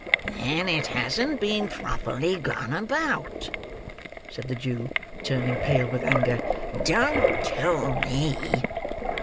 "Then it hasn't been properly gone about," said the Jew, turning pale with anger. "Don't tell me!"